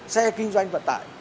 xe kinh doanh vận tải